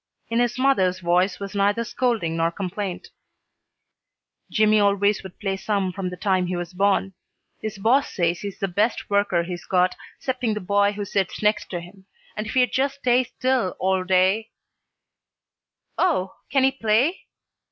In his mother's voice was neither scolding nor complaint. "Jimmy always would play some from the time he was born. His boss says he's the best worker he's got 'cepting the boy who sits next to him, and if he'd just stay still all day " "Oh, can he play?"